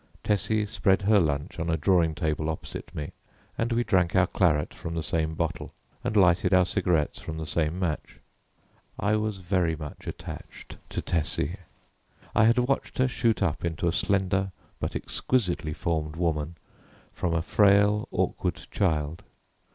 Tessie spread her lunch on a drawing table opposite me and we drank our claret from the same bottle and lighted our cigarettes from the same match. I was very much attached to Tessie. I had watched her shoot up into a slender but exquisitely formed woman from a frail, awkward child.